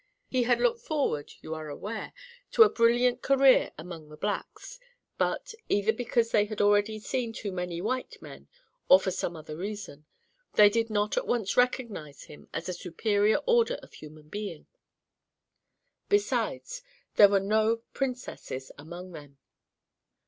He had looked forward, you are aware, to a brilliant career among "the blacks"; but, either because they had already seen too many white men, or for some other reason, they did not at once recognize him as a superior order of human being; besides, there were no princesses among them.